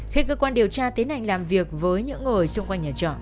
khi cơ quan điều tra tiến hành làm việc với những người xung quanh nhà trọ